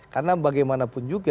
karena bagaimanapun juga